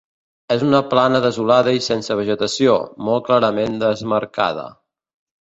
És una plana desolada i sense vegetació, molt clarament desmarcada.